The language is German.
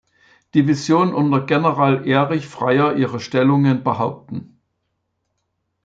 Division unter General Erich Freyer ihre Stellungen behaupten.